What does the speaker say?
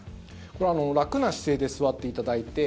これは楽な姿勢で座っていただいて。